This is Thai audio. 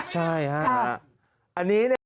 ใช่ฮะอันนี้เนี่ย